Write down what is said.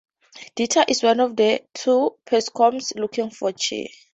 Dita is one of the two persocoms looking for Chi.